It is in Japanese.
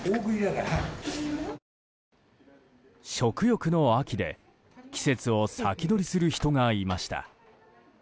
食欲の秋で季節を先取りする人がいました。